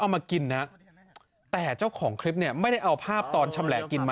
มากินนะแต่เจ้าของคลิปเนี่ยไม่ได้เอาภาพตอนชำแหละกินมา